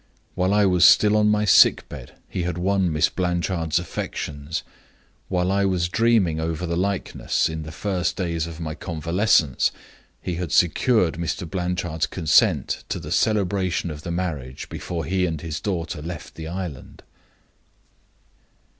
While I was still on my sickbed, he had won Miss Blanchard's affections. While I was dreaming over the likeness in the first days of my convalescence, he had secured Mr. Blanchard's consent to the celebration of the marriage before he and his daughter left the island.